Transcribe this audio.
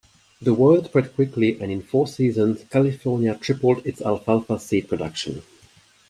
The word spread quickly and in four seasons California tripled its alfalfa seed production.